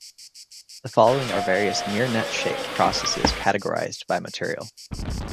The following are various near-net-shape processes categorized by material.